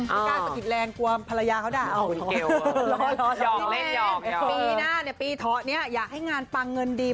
การสะกิดแรงกว่าภรรยาเขาได้พี่แมนปีหน้าปีท้อนี้อยากให้งานปังเงินดี